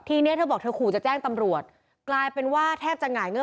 ทีนี้เธอบอกเธอขู่จะแจ้งตำรวจกลายเป็นว่าแทบจะหงายเงื